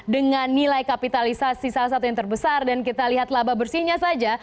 dengan nilai kapitalisasi salah satu yang terbesar dan kita lihat laba bersihnya saja